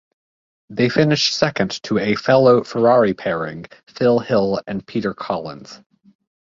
They finished second to a fellow Ferrari pairing Phil Hill and Peter Collins.